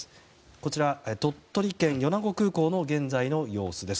こちら鳥取県米子空港の現在の様子です。